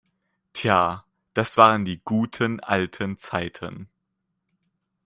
Tja, das waren die guten, alten Zeiten!